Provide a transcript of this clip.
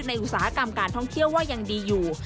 อุตสาหกรรมการท่องเที่ยวว่ายังดีอยู่